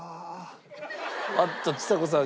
あっとちさ子さんが。